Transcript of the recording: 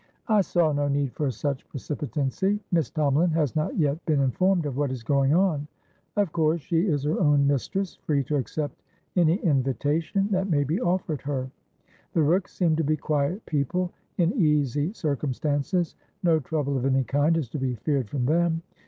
"I saw no need for such precipitancy. Miss Tomalin has not yet been informed of what is going on. Of course, she is her own mistress, free to accept any invitation that may be offered her. The Rookes seem to be quiet people, in easy circumstances; no trouble of any kind is to be feared from them.